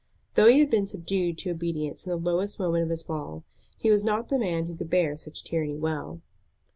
Though he had been subdued to obedience in the lowest moment of his fall, he was not the man who could bear such tyranny well.